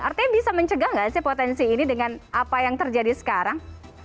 artinya bisa mencegah nggak sih potensi ini dengan apa yang terjadi sekarang